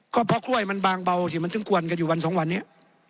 ก็เพราะกล้วยมันบางเบาสิมันถึงกวนกันอยู่วันสองวันนี้